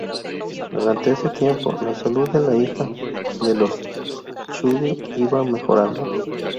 Durante ese tiempo, la salud de la hija de los Tschudi iba mejorando.